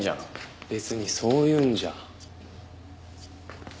別にそういうんじゃ。